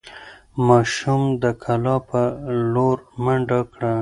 ماشوم د کلا په لور منډه کړه.